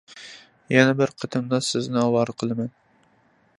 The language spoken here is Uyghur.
يەنە بىر قېتىمدا سىزنى ئاۋارە قىلىمەن.